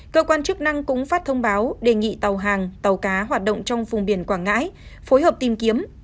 cơ quan chức năng cũng phát thông báo đề nghị tàu hàng tàu cá hoạt động trong vùng biển quảng ngãi phối hợp tìm kiếm